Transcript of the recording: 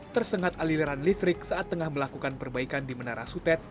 tersengat aliran listrik saat tengah melakukan perbaikan di menara sutet